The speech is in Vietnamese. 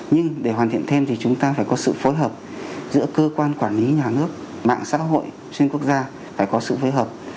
nhưng để hoàn thiện thêm thì chúng ta phải có sự phối hợp giữa cơ quan quản lý nhà nước mạng xã hội xuyên quốc gia phải có sự phối hợp